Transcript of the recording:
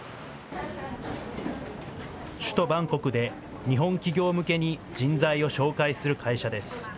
首都バンコクで、日本企業向けに人材を紹介する会社です。